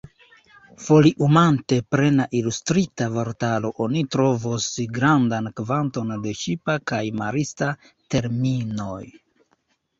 Foliumante Plena Ilustrita Vortaro, oni trovos grandan kvanton de ŝipa kaj marista terminoj.